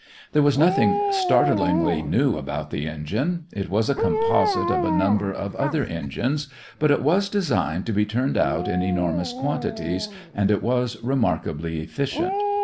There was nothing startlingly new about the engine. It was a composite of a number of other engines, but it was designed to be turned out in enormous quantities, and it was remarkably efficient.